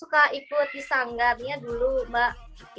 cuman kan karena sekarang gak bisa kemana mana